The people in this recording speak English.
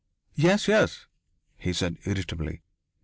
"Yes, yes," he said irritably.